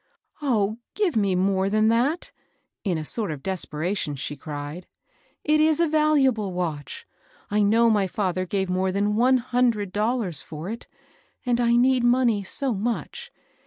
Oh, give me more than that 1 " in a sort of desperation, she cried. " It is a valuable watch ; I know my fether gave more than one hundred dol lars for it, — and I need money so much.